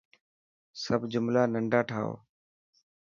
سب جملا ننڊا ٺائو.